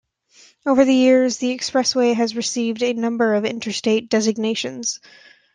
Over the years, the expressway has received a number of Interstate designations.